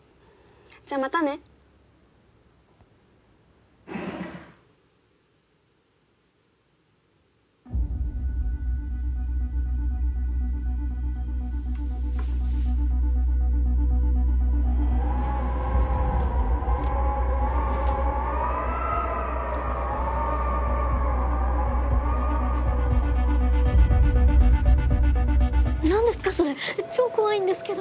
じゃまたね。何ですかそれ超怖いんですけど。